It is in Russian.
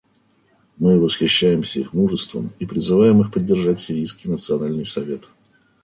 Мы восхищаемся их мужеством и призываем их поддержать Сирийский национальный совет.